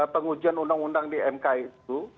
pengujian undang undang di mk itu